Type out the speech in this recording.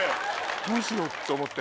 どうしよう？って思って。